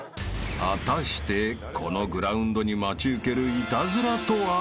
［果たしてこのグラウンドに待ち受けるイタズラとは？］